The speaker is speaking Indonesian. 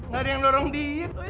gak ada yang dorong diet